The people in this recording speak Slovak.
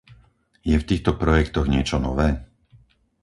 Je v týchto projektoch niečo nové?